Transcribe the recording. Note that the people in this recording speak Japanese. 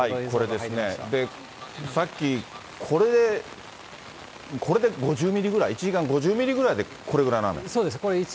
これですね、さっきこれで、これで５０ミリぐらい、１時間５０ミリぐらいでこれぐらいの雨？